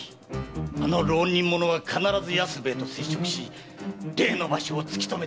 あの浪人者は必ず安兵衛と接触し例の場所を突き止めてくるに違いない。